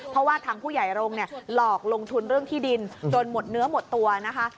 เพราะว่าทางผู้ใหญ่โรงเนี่ยหลอกลงทุนเรื่องที่ดินจนหมดเนื้อหมดตัวนะคะ